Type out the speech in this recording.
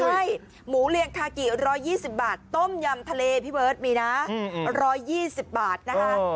ใช่หมูเรียงคากิ๑๒๐บาทต้มยำทะเลพี่เบิร์ตมีนะ๑๒๐บาทนะคะ